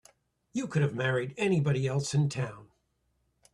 You could have married anybody else in town.